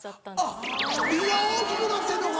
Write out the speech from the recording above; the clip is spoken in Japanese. あっ胃が大きくなってんのか。